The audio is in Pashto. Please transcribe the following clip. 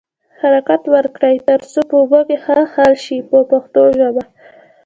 حرکت ورکړئ تر څو په اوبو کې ښه حل شي په پښتو ژبه.